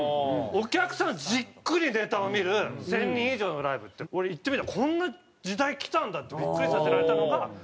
お客さんがじっくりネタを見る１０００人以上のライブって言ってみればこんな時代来たんだってビックリさせられたのが２０１７年。